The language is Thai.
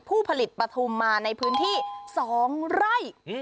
ผู้ผลิตปฐุมมาในพื้นที่๒ไร่